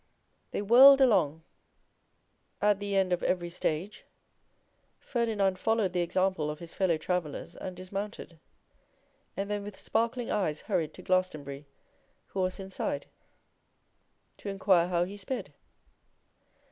They whirled along: at the end of every stage Ferdinand followed the example of his fellow travellers and dismounted, and then with sparkling eyes hurried to Glastonbury, who was inside, to inquire how he sped.